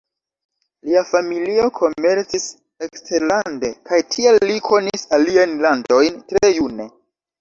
Lia familio komercis eksterlande, kaj tial li konis aliajn landojn tre june.